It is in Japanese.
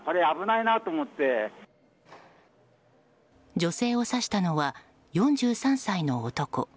女性を刺したのは４３歳の男。